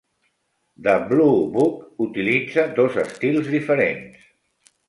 "The Bluebook" utilitza dos estils diferents.